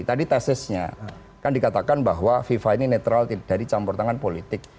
tadi tesisnya kan dikatakan bahwa fifa ini netral dari campur tangan politik